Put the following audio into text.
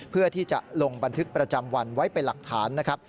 เพื่อที่จะลงบันทึกประจำวันไว้เป็นหลักฐานนะครับ